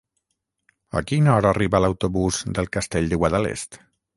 A quina hora arriba l'autobús del Castell de Guadalest?